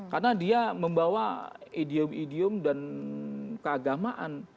karena dia membawa idiom idiom dan keagamaan